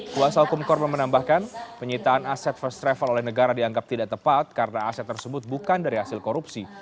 kuasa hukum korban menambahkan penyitaan aset first travel oleh negara dianggap tidak tepat karena aset tersebut bukan dari hasil korupsi